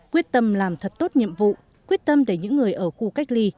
quyết tâm làm thật tốt nhiệm vụ quyết tâm để những người ở khu cách ly